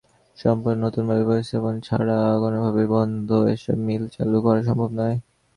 সম্পূর্ণ নতুনভাবে প্রতিস্থাপন ছাড়া কোনোভাবেই বন্ধ এসব মিল চালু করা সম্ভব নয়।